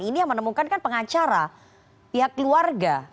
ini yang menemukan kan pengacara pihak keluarga